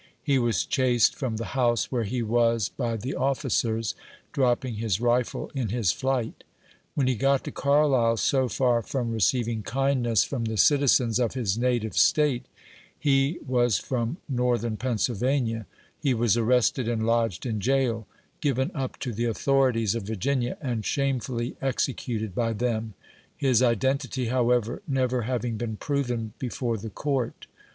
He was chased from the house where he was by the oflicers, dropping his rifle in his flight. When he got to Carlisle, so far from receiving kindness from the citizens of his native State, — he was from Northern Pennsylvania, — he was arrested and lodged in jail, given up to the authorities of Virginia, and shamefully executed by them, — his identity, however, never having been proven before the Court.